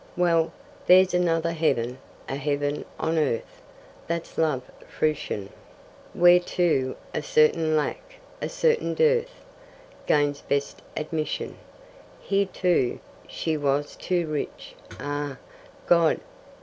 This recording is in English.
Well, there's another heaven a heaven on earth (That's love's fruition) Whereto a certain lack a certain dearth Gains best admission. Here, too, she was too rich ah, God!